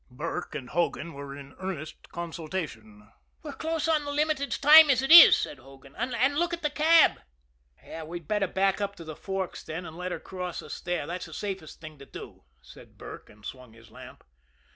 Burke and Hogan were in earnest consultation. "We're close on the Limited's time as it is," said Hogan. "And look at that cab." "We'd better back up to the Forks, then, and let her cross us there, that's the safest thing to do," said Burke and swung his lamp.